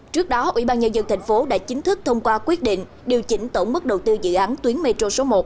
trước đó ubnd tp hcm đã chính thức thông qua quyết định điều chỉnh tổng mức đầu tư dự án tuyến metro số một